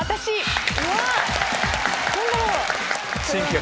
何だろう？